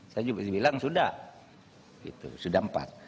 saya juga bilang sudah sudah empat